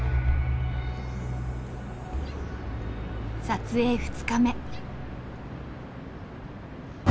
撮影２日目。